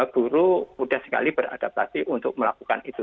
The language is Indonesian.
guru mudah sekali beradaptasi untuk melakukan itu